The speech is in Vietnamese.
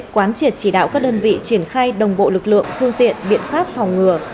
quán triệt chỉ đạo các đơn vị triển khai đồng bộ lực lượng phương tiện biện pháp phòng ngừa